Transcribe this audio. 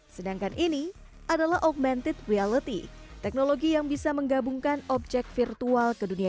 sedangkan ini adalah augmented reality teknologi yang bisa menggabungkan objek virtual ke dunia